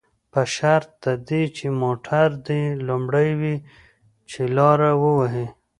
په شرط د دې چې موټر دې لومړی وي، چې لاره ووهي.